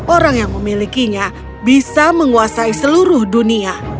orang yang memilikinya bisa menguasai seluruh dunia